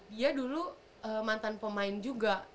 dia dulu mantan pemain juga